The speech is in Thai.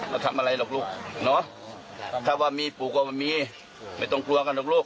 เนอะถ้าว่ามีปูก็มันมีไม่ต้องกลัวกันด้วยลูก